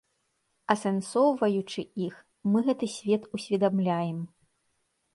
Асэнсоўваючы іх, мы гэты свет усведамляем.